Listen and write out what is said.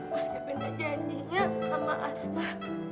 mas kevin janjinya sama asma